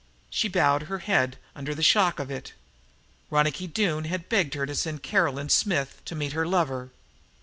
She bowed her head under the shock of it. Ronicky Doone had begged her to send Caroline Smith to meet her lover.